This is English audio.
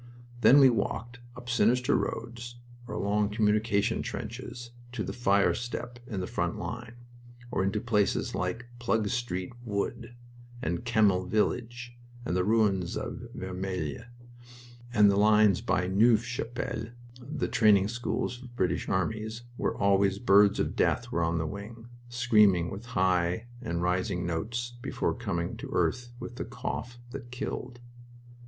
Then we walked, up sinister roads, or along communication trenches, to the fire step in the front line, or into places like "Plug Street" wood and Kemmel village, and the ruins of Vermelles, and the lines by Neuve Chapelle the training schools of British armies where always birds of death were on the wing, screaming with high and rising notes before coming to earth with the cough that killed...